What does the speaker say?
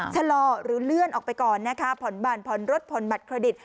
ชะลอหรือเลื่อนออกไปก่อนนะคะผ่อนบ่านผ่อนรถผ่อนบัตรเครดิต